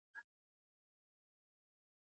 ځینې امپریالیستي هېوادونه لږ اضافي پانګه لري